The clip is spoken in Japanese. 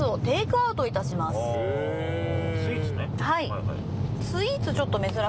はぁスイーツね。